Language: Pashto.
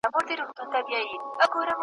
د اوړي وروستی ګلاب ,